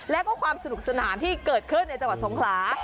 แล้วก็ความสนุกสนานที่เกิดขึ้นในจังหวัดสงขลา